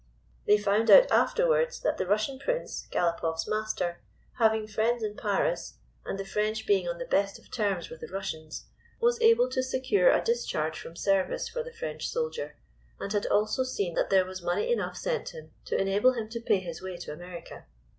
They found out afterwards that the Russian Prince, Galopoff's master, having friends in Paris, and the French being on the best of terms with the Russians, was able to secure a discharge from service for the French soldier, and had also seen that there was money enough sent him to enable him to pay his way to America.